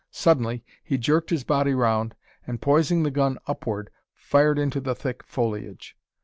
Suddenly he jerked his body round, and, poising the gun upward, fired into the thick foliage.